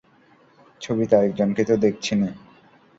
ছবিতে আরেক জনকে তো দেখিসিনি।